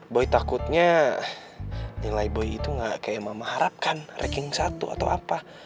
boy takutnya nilai boy itu gak kayak mama harapkan ranking satu atau apa